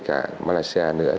và malaysia nữa